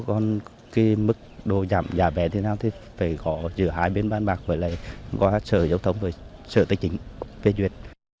còn cái mức đồ giảm giá vé thì phải gõ giữa hai bên bán bạc với lại qua sở giáo thống và sở tài chính về duyệt